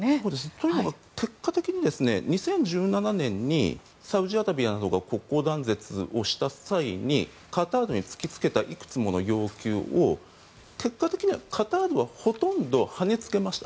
というのも結果的に２０１７年にサウジアラビアなどが国交断絶をした際にカタールに突きつけたいくつもの要求を結果的にはカタールはほとんどはねつけました。